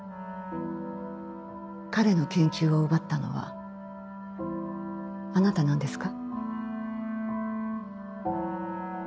彼の研究を奪ったのはあなたなんですか？